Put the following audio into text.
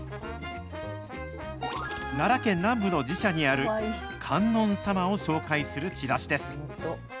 奈良県南部の寺社にある観音様を紹介するチラシです。